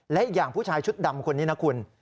และอย่างผู้ชายชุดดำคนนี้นะคุณ